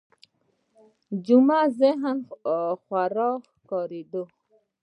جمعي ذهن خوار ښکارېده